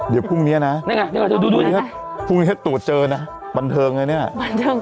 เดี๋ยวพรุ่งเนี้ยนะพรุ่งเนี้ยตรวจเจอนะบันเทิงเลยเนี้ยบันเทิง